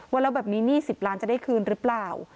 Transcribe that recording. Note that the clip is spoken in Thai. ว่าแล้วแบบนี้หนี้๑๐ล้านจะได้คืนหรือเปล่า